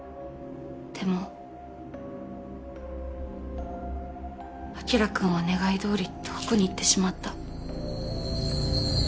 でも晶くんは願いどおり遠くにいってしまった。